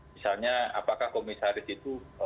misalnya apakah komisaris itu